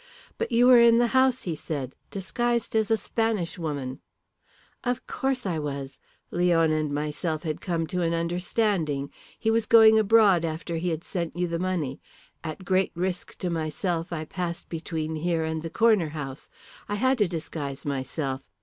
"But you were in the house," he said, "disguised as a Spanish woman " "Of course I was. Leon and myself had come to an understanding. He was going abroad after he had sent you the money. At great risk to myself I passed between here and the Corner House. I had to disguise myself.